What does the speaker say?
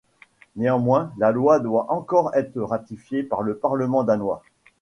Néanmoins, la loi doit encore être ratifiée par le Parlement danois.